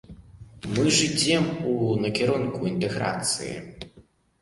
Мы ж ідзём у накірунку інтэграцыі!